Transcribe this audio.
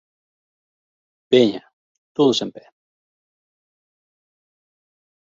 Veña, todos en pé.